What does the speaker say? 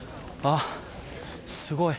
すごい。